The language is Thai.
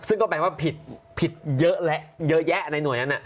ซึ่งก็แปลว่าผิดเยอะแล้วเยอะแยะในหน่วยนั้น